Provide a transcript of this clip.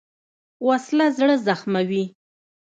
وسله زړه زخموي